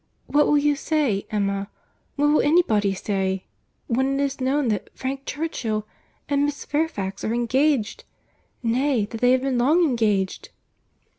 —What will you say, Emma—what will any body say, when it is known that Frank Churchill and Miss Fairfax are engaged;—nay, that they have been long engaged!"